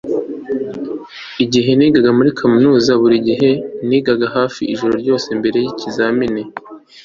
igihe nigaga muri kaminuza, buri gihe niga hafi ijoro ryose mbere yikizamini